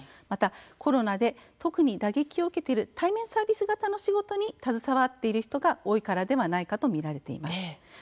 またコロナで特に打撃を受けている対面サービス型の仕事に携わっている人も多いからではないかと見られています。